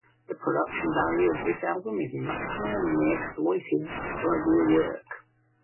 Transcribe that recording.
The production value of this album is much higher than The Exploited's earlier work.